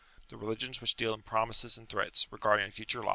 The religions which deal in pro mises and threats regarding a future